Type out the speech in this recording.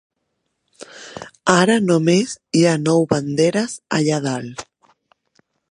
Ara només hi ha nou banderes allà dalt.